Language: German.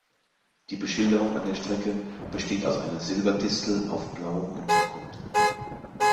Die Beschilderung an der Strecke besteht aus einer Silberdistel auf blauem Untergrund.